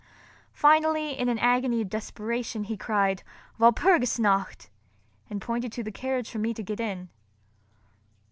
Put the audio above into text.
Finally, in an agony of desperation, he cried, "Walpurgis nacht!" and pointed to the carriage for me to get in.